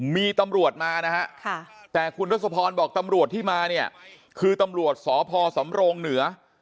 มีตำรวจมานะฮะแต่คุณทศพรบอกตำรวจที่มาเนี่ยคือตำรวจสพสำโรงเหนือ